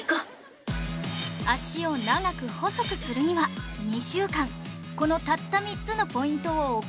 脚を長く細くするには２週間このたった３つのポイントを行うだけ